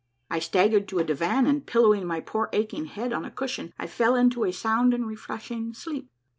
I stag gered to a divan, and pillowing my poor aching head on a cushion, I fell into a sound and refreshing sleep.